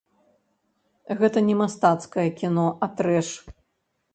Гэта не мастацкае кіно, а трэш.